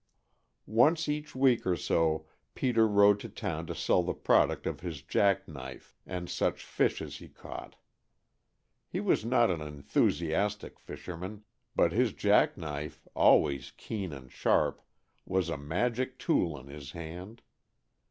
Once each week or so Peter rowed to town to sell the product of his jack knife and such fish as he caught. He was not an enthusiastic fisherman, but his jack knife, always keen and sharp, was a magic tool in his hand.